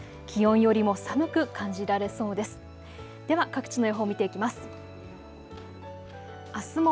気温よりも寒く感じられそうです。